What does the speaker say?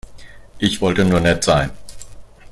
Ich wollte nur nett sein.